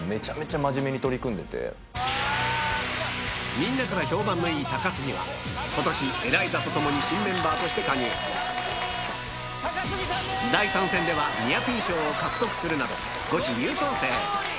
みんなから評判のいい高杉は今年エライザと共に新メンバーとして加入第３戦ではニアピン賞を獲得するなどゴチ優等生すごっ！